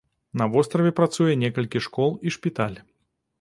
На востраве працуе некалькі школ і шпіталь.